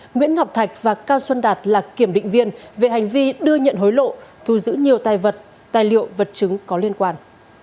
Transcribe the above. nguyễn ngọc thạch và cao xuân đạt là kiểm định viên về hành vi đưa nhận hối lộ thu giữ nhiều tài vật tài liệu vật chứng có liên quan